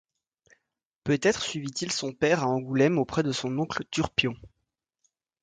Peut-être suivi-il son père à Angoulême, auprès de son oncle Turpion.